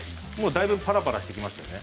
だいぶパラパラしてきましたね。